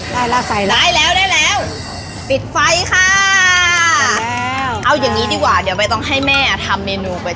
ใช่ต้องไปทางเดียวกันอ๋อนี่ไงหนูเห็นแล้วมันเริ่มม้วนแล้วอ่ะแม่